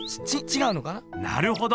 なるほど。